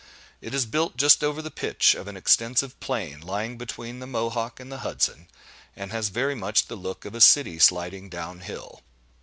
It is built just over the pitch of an extensive plain, lying between the Mohawk and the Hudson, and has very much the look of a city sliding down hill.